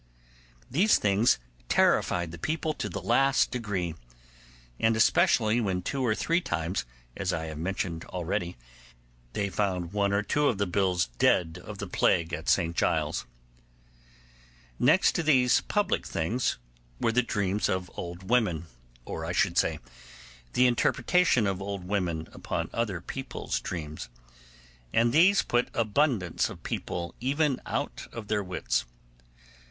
These things terrified the people to the last degree, and especially when two or three times, as I have mentioned already, they found one or two in the bills dead of the plague at St Giles's. Next to these public things were the dreams of old women, or, I should say, the interpretation of old women upon other people's dreams; and these put abundance of people even out of their wits.